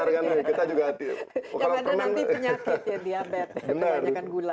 yang ada nanti penyakit diabetes perhanyakan gula